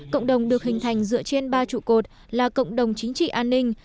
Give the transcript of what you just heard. cộng đồng được hình thành dựa trên ba trụ cột là cộng đồng chính trị an ninh